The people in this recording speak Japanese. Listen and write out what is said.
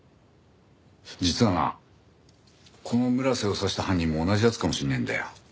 実はなこの村瀬を刺した犯人も同じ奴かもしれねえんだよ。